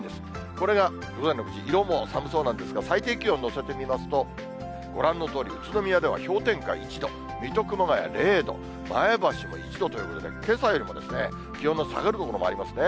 これが午前６時、色も寒そうなんですが、最低気温載せてみますと、ご覧のとおり、宇都宮では氷点下１度、水戸、熊谷０度、前橋も１度ということで、けさよりも気温の下がる所もありますね。